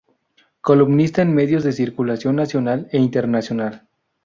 Columnista en medios de circulación nacional e internacional.